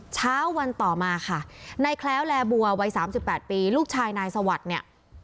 เช้าวันต่อมาค่ะนายแคล้วแลบัววัย๓๘ปีลูกชายนายสวัสดิ์เนี่ย